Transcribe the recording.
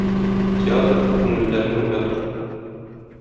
Театр — күңелләрне уятыр.